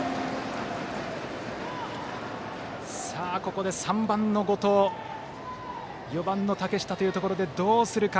ここで３番の後藤から４番の竹下というところでどうするか。